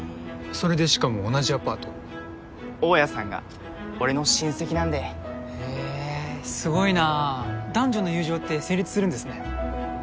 それでしかも同じアパート大家さんが俺の親戚なんでへえすごいなあ男女の友情って成立するんですね